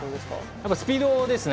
やはりスピードですね。